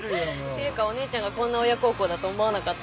ていうかお姉ちゃんがこんな親孝行だと思わなかった。